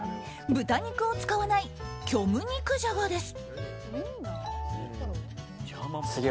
豚肉を使わない虚無肉じゃがです。